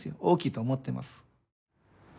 大きいと思ってます。